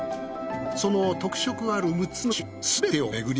その特色ある６つの島すべてをめぐり。